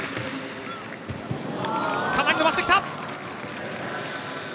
かなり伸ばしてきた。